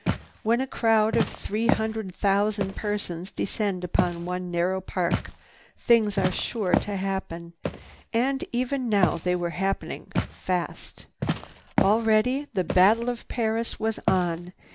When a crowd of three hundred thousand persons descends upon one narrow park, things are sure to happen. And even now they were happening fast. Already the "Battle of Paris" was on.